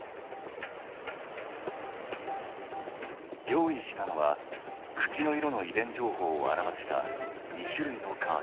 用意したのは茎の色の遺伝情報を表した２種類のカード。